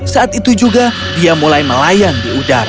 saat itu juga dia mulai melayang di udara